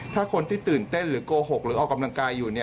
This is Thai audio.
ถ้าคนที่ตื่นเต้นหรือโกหกหรือออกกำลังกายอยู่